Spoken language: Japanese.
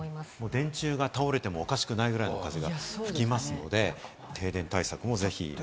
電柱が倒れてもおかしくないくらいの風が吹きますので、停電対策もぜひ。